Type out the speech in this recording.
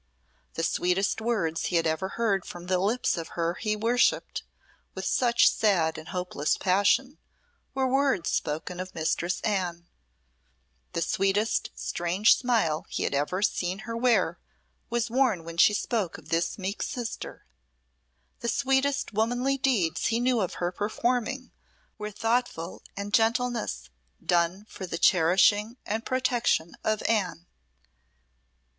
The sweetest words he had ever heard from the lips of her he worshipped with such sad and hopeless passion, were words spoken of Mistress Anne; the sweetest strange smile he had ever seen her wear was worn when she spoke of this meek sister; the sweetest womanly deeds he knew of her performing were thoughtful gentlenesses done for the cherishing and protection of Anne.